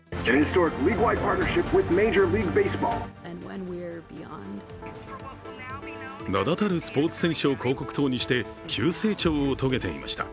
名だたるスポーツ選手を広告塔にして急成長を遂げていました。